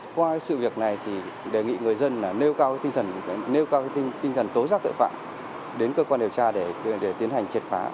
qua sự việc này đề nghị người dân nêu cao tinh thần tố giác tội phạm đến cơ quan điều tra để tiến hành